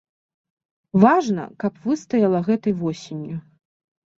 Важна, каб выстаяла гэтай восенню.